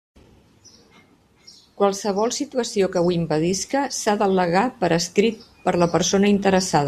Qualsevol situació que ho impedisca s'ha d'al·legar per escrit per la persona interessada.